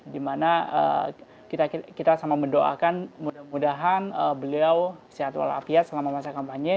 dimana kita sama mendoakan mudah mudahan beliau sehat walafiat selama masa kampanye